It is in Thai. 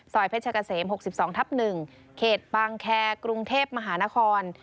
เพชรกะเสม๖๒ทับ๑เขตบางแคร์กรุงเทพมหานคร